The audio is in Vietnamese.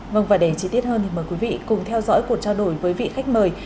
vâng và để chi tiết hơn thì mời quý vị cùng theo dõi cuộc trao đổi với vị khách mời